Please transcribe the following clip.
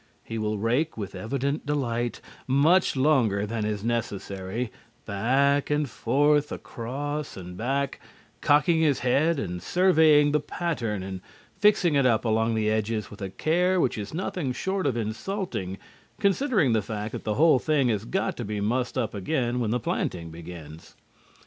He will rake with evident delight, much longer than is necessary, back and forth, across and back, cocking his head and surveying the pattern and fixing it up along the edges with a care which is nothing short of insulting considering the fact that the whole thing has got to be mussed up again when the planting begins.